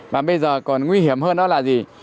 mà bây giờ còn nguy hiểm hơn đó là gì